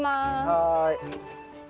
はい。